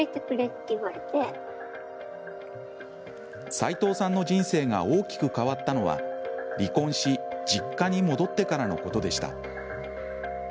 斉藤さんの人生が大きく変わったのは離婚し、実家に戻ってからのことでした。